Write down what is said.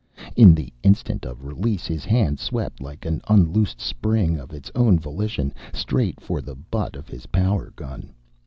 In the instant of release his hand swept like an unloosed spring, of its own volition, straight for the butt of his power gun.